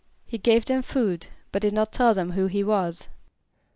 =He gave them food but did not tell them who he was.